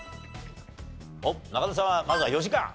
おっ中田さんはまずは４時間。